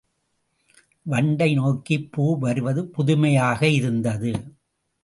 வண்டை நோக்கிப் பூ வருவது புதுமையாக இருந்தது.